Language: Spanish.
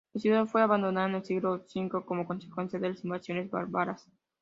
La ciudad fue abandonada en el siglo V como consecuencia de las invasiones bárbaras.